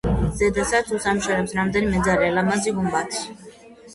ზედა სართულს ამშვენებს რამდენიმე ძალიან ლამაზი გუმბათი.